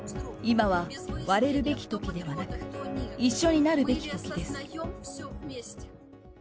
今は割れるべきときではなく、一緒になるべきときです。